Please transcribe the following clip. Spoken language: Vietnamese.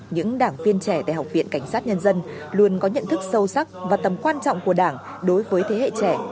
những đảng viên trẻ tại học viện cảnh sát nhân dân luôn có nhận thức sâu sắc và tầm quan trọng của đảng đối với thế hệ trẻ